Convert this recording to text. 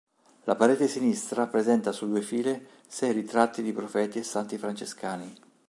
La parete sinistra presenta su due file sei ritratti di profeti e santi francescani.